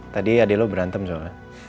tadi adik lo berantem soalnya